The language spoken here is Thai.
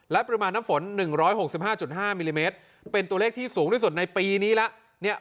และปริมาณน้ำฝน๑๖๕๕มิลลิเมตรเป็นตัวเลขที่สูงที่สุดในปีนี้แล้ว